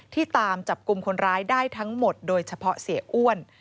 ตามจับกลุ่มคนร้ายได้ทั้งหมดโดยเฉพาะเสียอ้วน